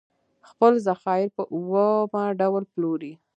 خپل ذخایر په اومه ډول پلوري.